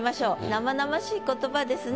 生々しい言葉ですね